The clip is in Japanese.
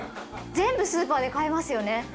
全部スーパーで買えますよね。